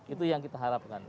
itu yang kita harapkan